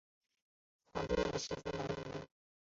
环境也十分的恶劣